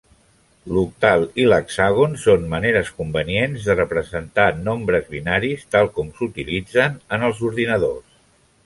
L'octal i l'hexàgon són maneres convenients de representar nombres binaris, tal com s'utilitzen en els ordinadors.